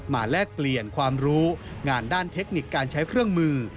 แลกเปลี่ยนความรู้งานด้านเทคนิคการใช้เครื่องมือ